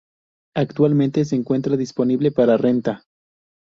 Actualmente se encuentra disponible para renta.